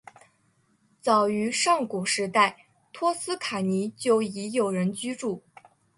早于上古时代托斯卡尼就已有人居住。